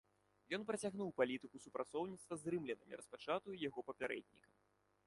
Ён працягнуў палітыку супрацоўніцтва з рымлянамі, распачатую яго папярэднікам.